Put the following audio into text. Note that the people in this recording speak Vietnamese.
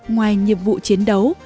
ngoài nhiệm vụ chiến đấu